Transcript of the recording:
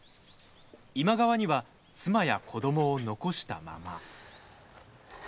今川には妻や子どもを残したまま。